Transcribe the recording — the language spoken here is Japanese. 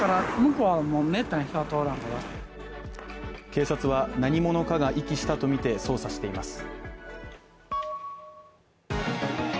警察は、何者かが遺棄したとみて捜査しています。